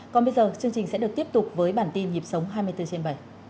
còn bây giờ chương trình sẽ được tiếp tục với bản tin nhịp sống hai mươi bốn trên bảy